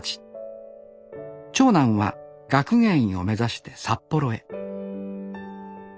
長男は学芸員を目指して札幌へ。